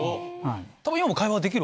多分。